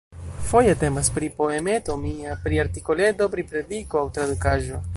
Foje temas pri poemeto mia, pri artikoleto, pri prediko aŭ tradukaĵo.